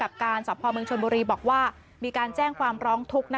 กับการสมชนบุรีบอกว่ามีการแจ้งความร้องทุกข์นะคะ